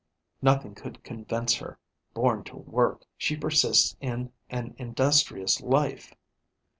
Nothing could convince her: born to work, she persists in an industrious life.